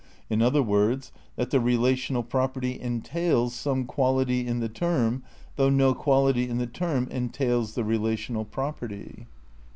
In other words that the relational property entails some quality in the term though no quality in the term entails the rela tional property."'